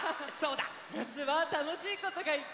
なつはたのしいことがいっぱいだね！